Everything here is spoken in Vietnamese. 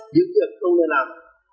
những việc không nên làm